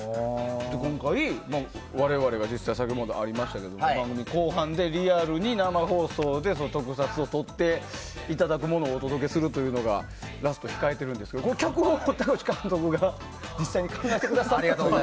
今回、我々が実際に番組後半でリアルに生放送で特撮を撮っていただくものをお届けするというのがラストに控えているんですが脚本も田口監督が実際に考えてくださったと。